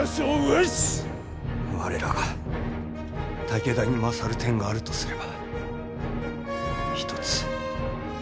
我らが武田に勝る点があるとすれば一つ。